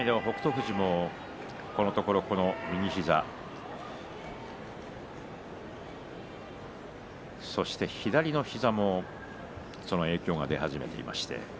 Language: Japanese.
富士もこのところ右膝そして左の膝もその影響も出始めています。